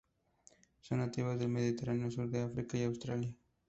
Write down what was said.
Son nativas del Mediterráneo, sur de África y Australia.